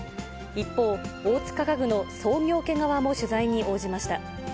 一方、大塚家具の創業家側も取材に応じました。